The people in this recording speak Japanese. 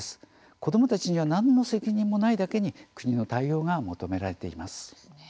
子どもたちには何の責任もないだけに国の対応が求められています。